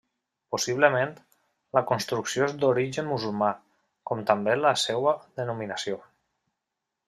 Possiblement, la construcció és d'origen musulmà, com també la seua denominació.